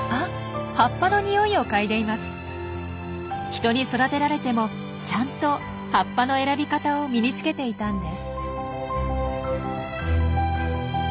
人に育てられてもちゃんと葉っぱの選び方を身につけていたんです。